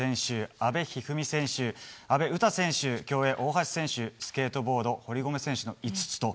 阿部一二三選手、阿部詩選手競泳、大橋選手スケートボード、堀米選手の５つと。